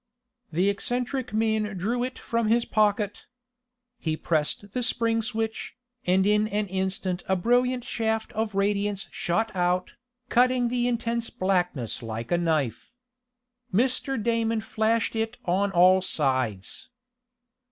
The eccentric man drew it from his packet. He pressed the spring switch, and in an instant a brilliant shaft of radiance shot out, cutting the intense blackness like a knife. Mr. Damon flashed it on all sides.